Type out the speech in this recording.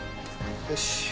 よし。